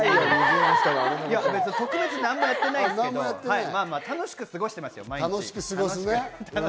特別、何もやってないですけど、楽しく過ごしてます、毎日。